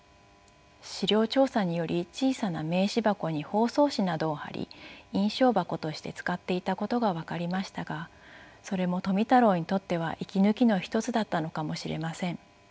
資料調査により小さな名刺箱に包装紙などを貼り印章箱として使っていたことが分かりましたがそれも富太郎にとっては息抜きの一つだったのかもしれません。